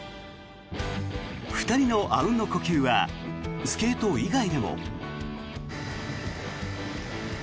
２人のあうんの呼吸はスケート以外でも。